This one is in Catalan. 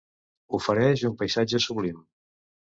Ofereix un paisatge sublim.